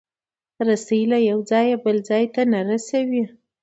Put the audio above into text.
رسۍ له یو ځایه بل ځای ته رسوي.